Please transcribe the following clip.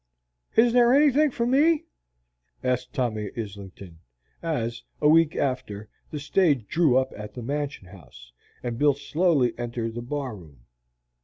"Is there anything for me?" asked Tommy Islington, as, a week after, the stage drew up at the Mansion House, and Bill slowly entered the bar room.